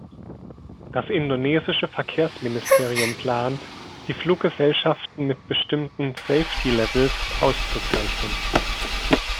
Das indonesische Verkehrsministerium plant, die Fluggesellschaften mit bestimmten „Safety Levels“ auszuzeichnen.